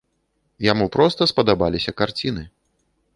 Яму проста спадабаліся карціны.